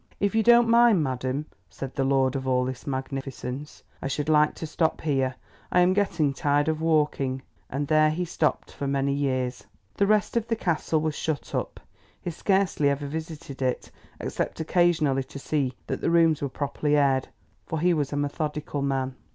"If you don't mind, madam," said the lord of all this magnificence, "I should like to stop here, I am getting tired of walking." And there he stopped for many years. The rest of the Castle was shut up; he scarcely ever visited it except occasionally to see that the rooms were properly aired, for he was a methodical man.